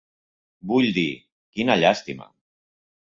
Vull dir, quina llàstima!